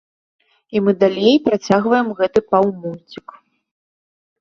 І мы далей працягваем гэты паўмульцік.